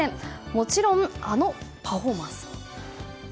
もちろん、あのパフォーマンスも。